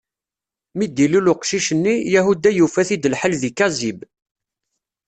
Mi d-ilul uqcic-nni, Yahuda yufa-t-id lḥal di Kazib.